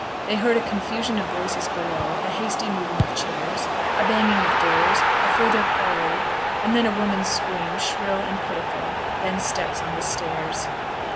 They heard a confusion of voices below, a hasty moving of chairs, a banging of doors, a further parley, and then a woman's scream, shrill and pitiful; then steps on the stairs.